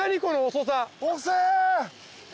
遅え。